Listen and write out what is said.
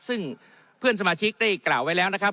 ซึ่งเพื่อนสมาชิกได้กล่าวไว้แล้วนะครับ